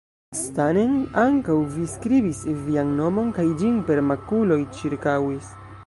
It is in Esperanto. Stanen, ankaŭ vi skribis vian nomon kaj ĝin per makuloj ĉirkaŭis!